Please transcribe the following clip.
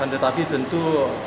tetapi tentu karena